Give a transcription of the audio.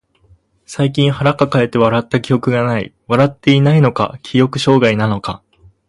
最近腹抱えて笑った記憶がない。笑っていないのか、記憶障害なのか。